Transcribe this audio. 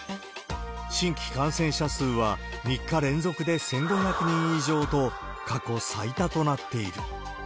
新規感染者数は３日連続で１５００人以上と、過去最多となっている。